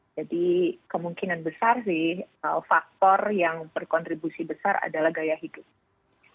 jadi kemungkinan besar sih faktor yang berkontribusi besar adalah gaya hidup